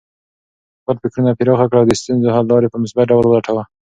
خپل فکرونه پراخه کړه او د ستونزو حل لارې په مثبت ډول ولټوه.